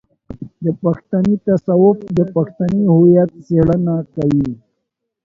د پښتني تصوف د پښتني هويت څېړنه کوي.